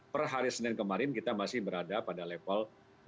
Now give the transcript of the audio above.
per hari senin kemarin kita masih berada pada level